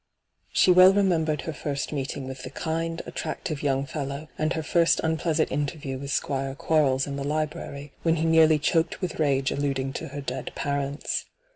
She well remembered her first meeting with the kind, attractive young fellow, and her first unpleasant interview with Squire Quarles in the librwy, when he nearly choked with rage alluding to her dead parents.